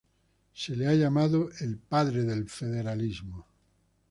Se le ha llamado el ""Padre del federalismo"".